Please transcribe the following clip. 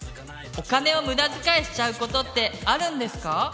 お金を無駄遣いしちゃうことってあるんですか？